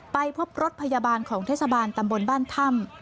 ไปพบรถพยาบาลของเทศบาลตำบลบ้านถ้ำ